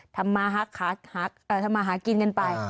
ทำมาหากินกันไป